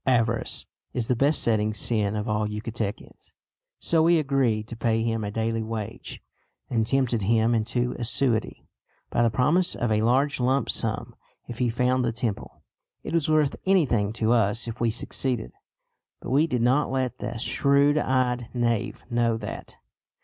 Avarice is the besetting sin of all Yucatecans, so we agreed to pay him a daily wage, and tempted him into assiduity by the promise of a large lump sum if he found the temple. It was worth anything to us if we succeeded; but we did not let the shrewd eyed knave know that.